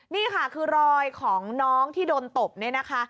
นี่ค่ะคือรอยของน้องที่โดนตบเนี่ยนะคะ